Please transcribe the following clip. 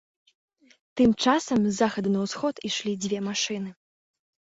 Тым часам з захаду на ўсход ішлі дзве машыны.